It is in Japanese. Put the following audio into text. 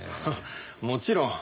もちろん。